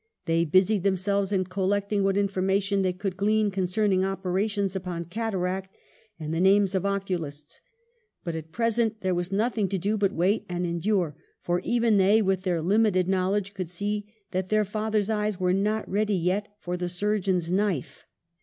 They busied themselves in collecting what information they could glean concerning opera tions upon cataract, and the names of oculists. But at present there was nothing to do but wait and endure ; for even they, with their limited knowledge, could tell that their father's eyes were not ready yet for the surgeon's knife.